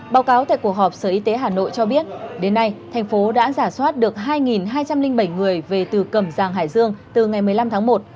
báo cáo tại cuộc họp sở y tế hà nội cho biết đến nay thành phố đã giả soát được hai hai trăm linh bảy người về từ cầm giang hải dương từ ngày một mươi năm tháng một